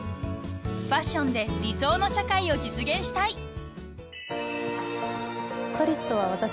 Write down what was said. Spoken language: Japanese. ［ファッションで理想の社会を実現したい］